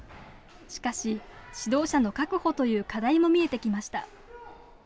しかし指導者の確保という課題も見えてきました。